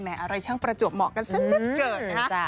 อะไรช่างประจวบเหมาะกันสักนิดเกิดนะคะ